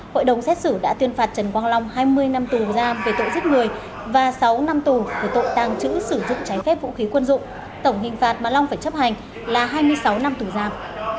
hội đồng xét xử đã tuyên phạt trần quang long hai mươi năm tù giam về tội giết người và sáu năm tù về tội tàng trữ sử dụng trái phép vũ khí quân dụng tổng hình phạt mà long phải chấp hành là hai mươi sáu năm tù giam